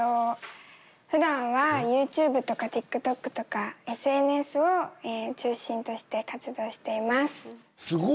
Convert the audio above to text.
ふだんはＹｏｕＴｕｂｅとかＴｉｋＴｏｋとかＳＮＳを中心として活動しています。